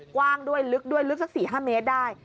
กว้างด้วยลึกด้วยลึกสัก๔๕เมตรได้